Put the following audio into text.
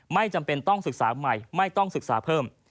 ไม่จำเป็นต้องศึกษาใหม่ไม่ต้องศึกษาเพิ่ม